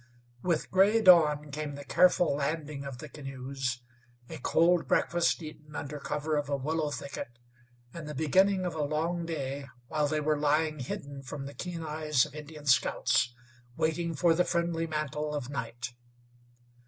With gray dawn came the careful landing of the canoes, a cold breakfast eaten under cover of a willow thicket, and the beginning of a long day while they were lying hidden from the keen eyes of Indian scouts, waiting for the friendly mantle of night.